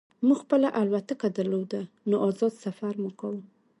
موږ خپله الوتکه درلوده نو ازاد سفر مو کاوه